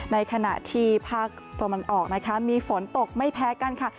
ในขณะที่ภาคตะวันออกนะคะมีฝนตกไม่แพ้กันค่ะ